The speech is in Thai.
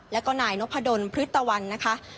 แล้วก็นายนพดลพฤทธวันนะคะ